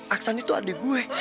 aksan itu adik gue